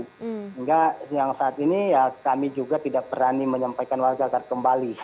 sehingga yang saat ini ya kami juga tidak berani menyampaikan warga agar kembali